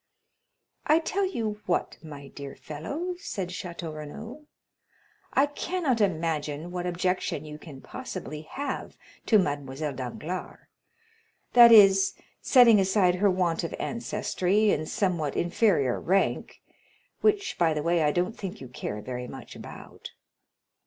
"I tell you what, my dear fellow," said Château Renaud, "I cannot imagine what objection you can possibly have to Mademoiselle Danglars—that is, setting aside her want of ancestry and somewhat inferior rank, which by the way I don't think you care very much about.